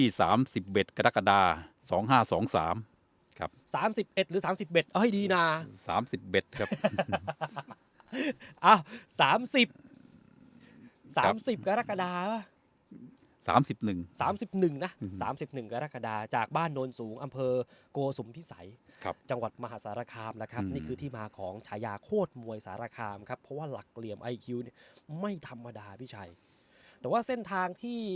เหมือนพงก์เกิดที่๓๐เบ็ดกระดา๒๕๒๓ครับ๓๑หรือ๓๐เบ็ดเอ้ยดีน่ะ๓๐เบ็ดครับ๓๐๓๐กระดา๓๑๓๑นะ๓๑กระดาจากบ้านโดนสูงอำเภอโกสุมทิศัยครับจังหวัดมหาสารคามนะครับนี่คือที่มาของชายาโคตรมวยสารคามครับเพราะว่าหลักเหลี่ยมไอคิวไม่ธรรมดาพี่ชัยแต่ว่าเส้นทางที่